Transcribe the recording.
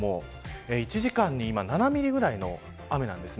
１時間に７ミリぐらいの雨なんです。